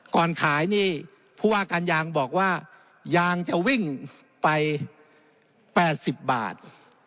ก่อนขายนี่ผู้ว่าการยางบอกว่ายางจะวิ่งไป๘๐บาท